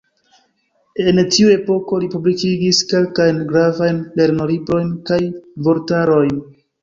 En tiu epoko li publikigis kelkajn gravajn lernolibrojn kaj vortarojn.